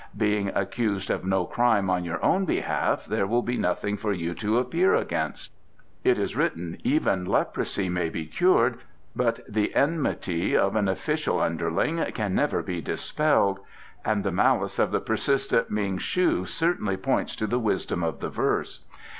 Being accused of no crime on your own behalf there will be nothing for you to appear against." "It is written: 'Even leprosy may be cured, but the enmity of an official underling can never be dispelled,' and the malice of the persistent Ming shu certainly points to the wisdom of the verse.